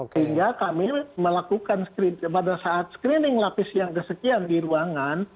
sehingga kami melakukan pada saat screening lapis yang kesekian di ruangan